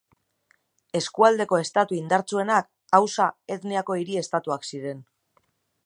Eskualdeko estatu indartsuenak Hausa etniako hiri estatuak ziren.